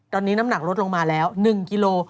ตอนนี้น้ำหนักลดลงมาแล้ว๑กิโล